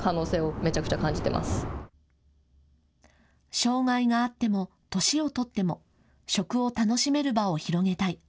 障害があっても年を取っても食を楽しめる場を広げたい。